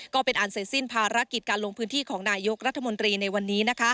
ก็เป็นอันเสร็จสิ้นภารกิจการลงพื้นที่ของนายกรัฐมนตรีในวันนี้